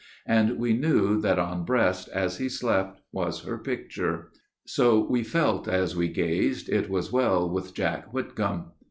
And we knew that on breast, as he slept, was her picture. So we felt, as we gazed, it was well with Jack Whitcomb.